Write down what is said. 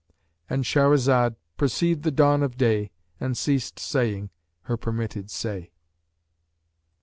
"—And Shahrazad perceived the dawn of day and ceased saying her permitted say.